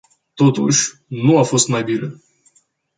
Totuși, nu a fost mai bine.